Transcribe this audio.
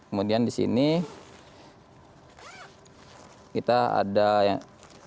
nah kemudian di sini kita ada masker